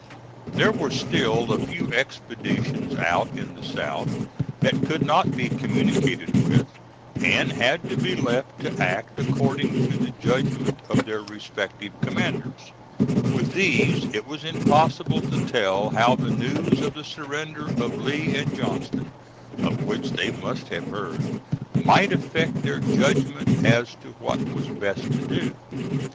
There were still a few expeditions out in the South that could not be communicated with, and had to be left to act according to the judgment of their respective commanders. With these it was impossible to tell how the news of the surrender of Lee and Johnston, of which they must have heard, might affect their judgment as to what was best to do.